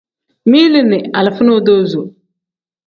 Mili ni alifa nodozo.